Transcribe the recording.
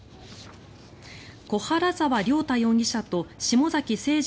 小原澤亮太容疑者と下崎星児